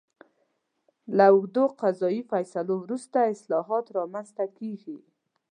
له اوږدو حقوقي فیصلو وروسته اصلاحات رامنځته کېږي.